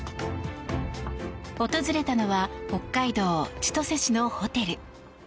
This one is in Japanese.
訪れたのは北海道千歳市のホテル。